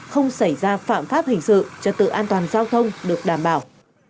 không xảy ra phạm pháp hình sự trật tự an toàn giao thông được đảm bảo